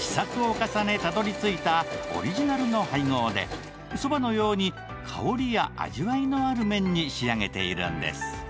試作を重ね、たどり着いたオリジナルの配合でそばのように、香りや味わいのある麺に仕上げているんです。